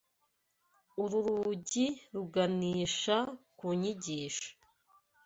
Uru rugi ruganisha ku nyigisho.